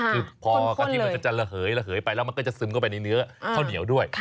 คือพอกะทิมันจะระเหยระเหยไปแล้วมันก็จะซึมเข้าไปในเนื้อข้าวเหนียวด้วย